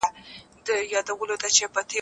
هغه نه سي کولای چي د نورو چلند وزغمي.